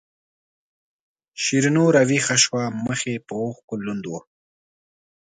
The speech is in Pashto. شیرینو راویښه شوه مخ یې په اوښکو لوند و.